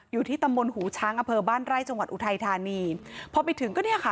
อยู่ที่ตำบลหูช้างอำเภอบ้านไร่จังหวัดอุทัยธานีพอไปถึงก็เนี่ยค่ะ